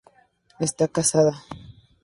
Está casada.